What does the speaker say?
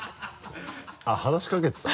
あっ話しかけてたの？